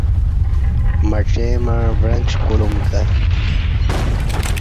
مڄیں مع وݩعچ کولوم کہ